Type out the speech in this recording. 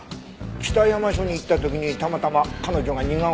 北山署に行った時にたまたま彼女が似顔絵を描いててね。